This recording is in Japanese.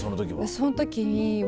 その時は。